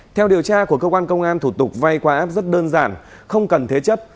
theo điều tra của cơ quan công an thủ tục vay qua app rất đơn giản không cần thế chấp